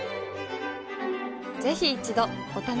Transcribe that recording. ぜひ一度お試しを。